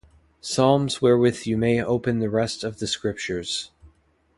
Psalms wherewith you may open the rest of the Scriptures.